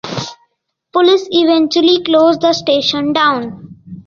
Police eventually closed the station down.